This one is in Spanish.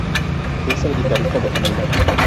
Es el guitarrista de Camila.